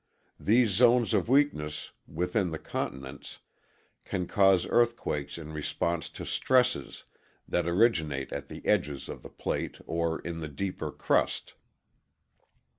These zones of weakness within the continents can cause earthquakes in response to stresses that originate at the edges of the plate or in the deeper crust.